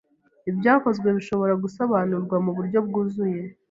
Ibyakozwe bishobora gusobanurwa, mu buryo bwuzuye